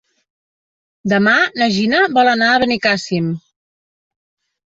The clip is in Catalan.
Demà na Gina vol anar a Benicàssim.